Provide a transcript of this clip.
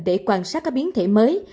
để quan sát các biến thể mới